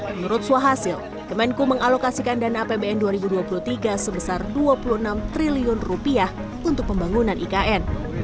menurut suhasil kemenku mengalokasikan dana apbn dua ribu dua puluh tiga sebesar rp dua puluh enam triliun rupiah untuk pembangunan ikn